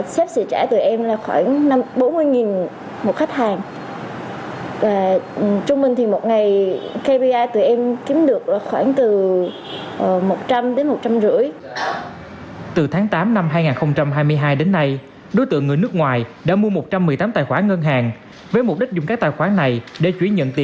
sếp sẽ trả tụi em là khoảng bốn mươi một khách hàng